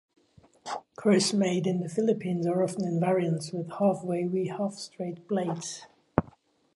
Kris made in the Philippines are often in variants, with half-wavy half-straight blades.